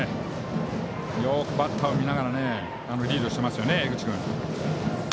よくバッターを見ながらリードしていますね、江口君。